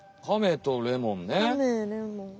カメとレモンね。